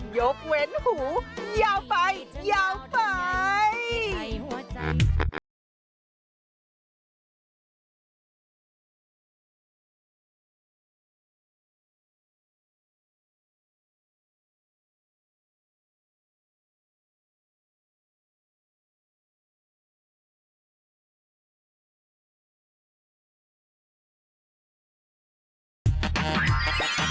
ยกเวนหูยาวไปยาวไป